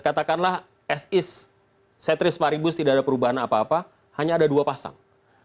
katakanlah sis setris maribus tidak ada perubahan apa apa hanya ada dua pasang